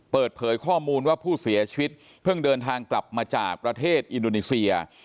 เปิดเผยข้อมูลว่าผู้เสียชีวิตเพิ่งเดินทางกลับมาจากประเทศอินโดนีเซีย